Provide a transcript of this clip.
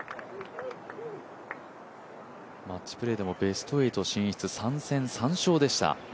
マッチプレーでもベスト８進出３戦３勝でした。